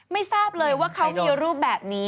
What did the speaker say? ไม่ทราบเลยว่าเขามีรูปแบบนี้